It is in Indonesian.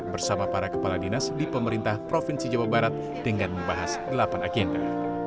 bersama para kepala dinas di pemerintah provinsi jawa barat dengan membahas delapan agenda